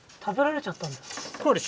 食べられちゃったんですか？